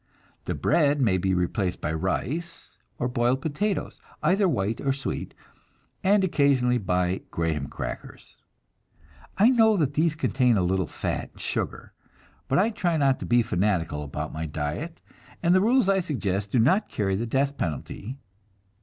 The bread may be replaced by rice, or boiled potatoes, either white or sweet, and occasionally by graham crackers. I know that these contain a little fat and sugar, but I try not to be fanatical about my diet, and the rules I suggest do not carry the death penalty.